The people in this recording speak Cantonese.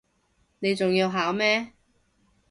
你仲要考咩